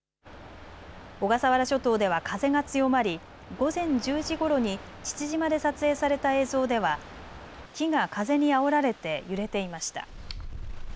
小笠原諸島では風が強まり午前１０時ごろに父島で撮影された映像では木が風にあおられて揺れていました。